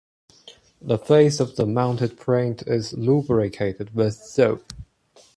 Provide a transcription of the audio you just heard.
The face of the mounted print is lubricated with soap.